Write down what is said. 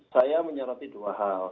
saya menyerati dua hal